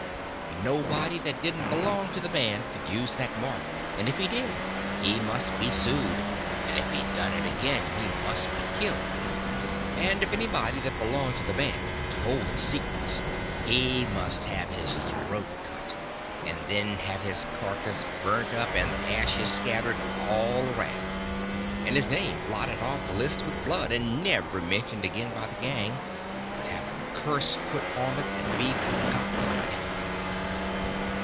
And nobody that didn't belong to the band could use that mark, and if he did he must be sued; and if he done it again he must be killed. And if anybody that belonged to the band told the secrets, he must have his throat cut, and then have his carcass burnt up and the ashes scattered all around, and his name blotted off of the list with blood and never mentioned again by the gang, but have a curse put on it and be forgot forever.